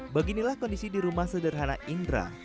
beginilah kondisi di rumah sederhana indra